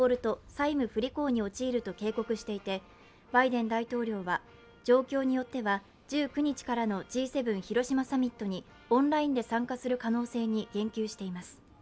債務不履行に陥ると警告していてバイデン大統領は、状況によっては１９日からのＧ７広島サミットにオンラインで参加する可能性に言及しています。